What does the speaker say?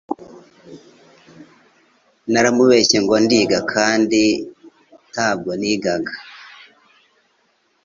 naramubeshye ngo ndiga kandi tabwo nigaga